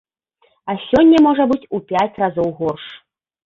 А сёння можа быць у пяць разоў горш.